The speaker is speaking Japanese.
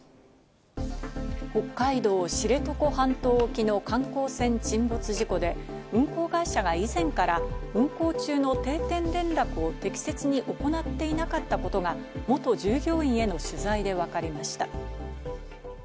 北海道知床半島沖の観光船沈没事故で運航会社が以前から運航中の定点連絡を適切に行っていなかったことが元従業員への取材でわかりました。